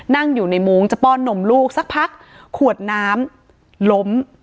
นั่งอยู่ในมุ้งจะป้อนนมลูกสักพักขวดน้ำล้ม